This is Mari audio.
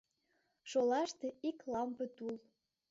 Шолаште — ик лампе тул.